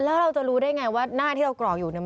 แล้วเราจะรู้ได้ไงว่าหน้าที่เรากรอกอยู่เนี่ย